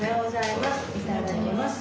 いただきます。